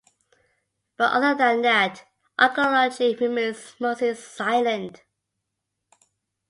But other than that, archaeology remains mostly silent.